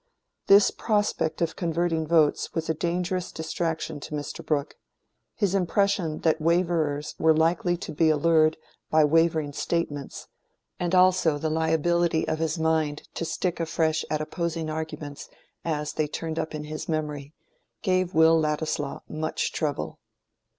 This prospect of converting votes was a dangerous distraction to Mr. Brooke: his impression that waverers were likely to be allured by wavering statements, and also the liability of his mind to stick afresh at opposing arguments as they turned up in his memory, gave Will Ladislaw much trouble.